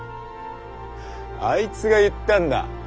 あいつが言ったんだ！